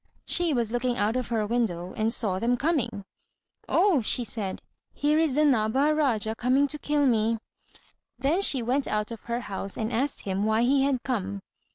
She was looking out of her window, and saw them coming. "Oh," she said, "here is the Nabha Rájá coming to kill me." Then she went out of her house and asked him why he had come.